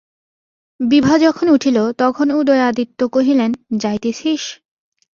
বিভা যখন উঠিল, তখন উদয়াদিত্য কহিলেন, যাইতেছিস?